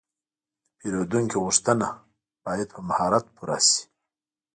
د پیرودونکي غوښتنه باید په مهارت پوره شي.